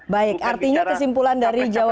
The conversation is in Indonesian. bukan bicara capresan gitu